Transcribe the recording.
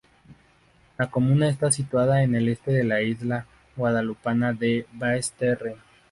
La comuna está situada en el este de la isla guadalupana de Basse-Terre.